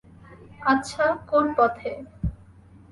আচ্ছা, কোন পথে?